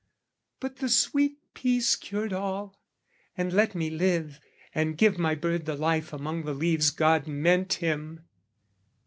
But the sweet peace cured all, and let me live And give my bird the life among the leaves God meant him!